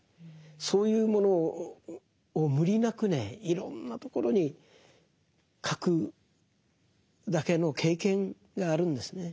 そういうものを無理なくねいろんなところに書くだけの経験があるんですね。